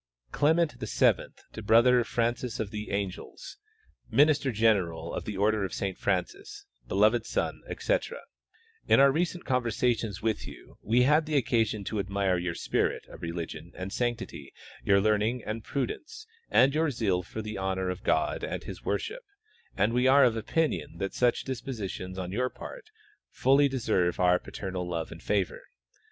(Translation.) Clement VII to Brother Francis of the Angels, minister general of the order of Saint Francis, beloved son, etc : In our recent conversations with you we have had the occa sion to admire your spirit of religion and sanctity, your learning and prudence, and ^''our zeal for the honor of God and His Avor ship, and we are of opinion that such dispositions on your part fully deserve our paternal love and favor.